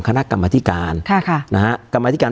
การแสดงความคิดเห็น